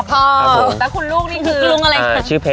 แล้วคุณลูกนี่คือ